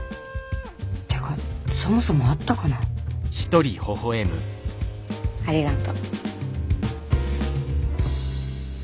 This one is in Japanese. てかそもそもあったかな。ありがと。